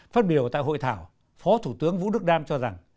phát biểu tại hội thảo phó thủ tướng vũ đức đam cho rằng